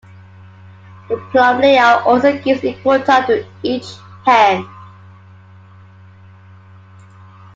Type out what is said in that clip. The Plum layout also gives equal time to each hand.